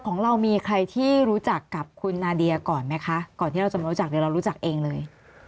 ของเรามีใครที่รู้จักกับคุณนาเดียก่อนไหมคะก่อนที่เราจะมารู้จักเนี่ยเรารู้จักเองเลย